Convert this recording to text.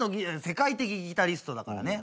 世界的ギタリストだからね。